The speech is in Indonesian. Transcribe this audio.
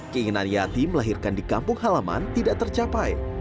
keinginan yati melahirkan di kampung halaman tidak tercapai